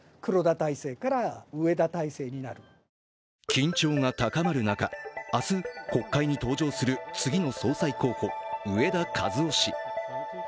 緊張が高まる中、明日、国会に登場する次の総裁候補・植田和男氏。